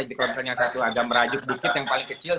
jadi kalau misalnya satu agama rajuk bukit yang paling kecil